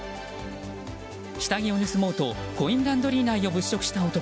下着を盗もうとコインランドリー内を物色した男。